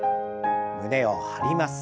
胸を張ります。